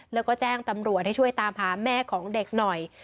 แล้วก็แจ้งตำรวจให้ช่วยตามหาแม่ของเด็กหน่อย